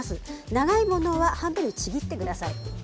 長いものは半分にちぎってください。